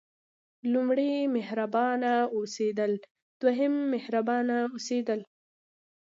لومړی مهربانه اوسېدل دوهم مهربانه اوسېدل.